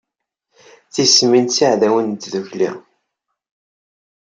Tismin d tiɛdawin n tdukli.